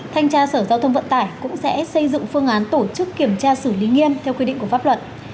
thanh tra sở giao thông vận tải cũng sẽ xây dựng phương án tổ chức kiểm tra xử lý nghiêm theo quy định của pháp luật